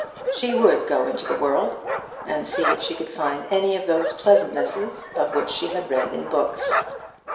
She would go into the world, and see if she could find any of those pleasantnesses of which she had read in books.